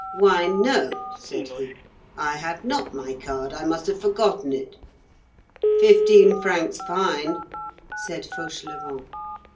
"Why, no," said he, "I have not my card. I must have forgotten it." "Fifteen francs fine," said Fauchelevent.